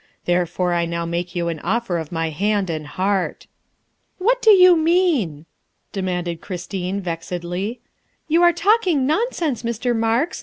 Therefore I now make you an offer of my hand and heart." " What do you mean?" demanded Christine vexedly. ' You are talking nonsense, Mr. Marks.